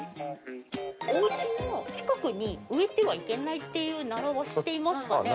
おうちの近くに植えてはいけないっていう習わしっていいますかね。